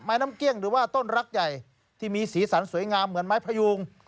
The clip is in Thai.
น้ำเกลี้ยงหรือว่าต้นรักใหญ่ที่มีสีสันสวยงามเหมือนไม้พยูง